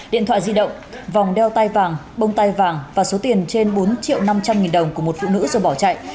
điện thoại di động vòng đeo tay vàng bông tay vàng và số tiền trên bốn triệu năm trăm linh nghìn đồng của một phụ nữ rồi bỏ chạy